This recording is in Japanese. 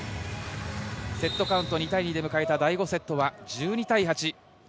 セットカウント２対２で迎えた第５セットは１２対８。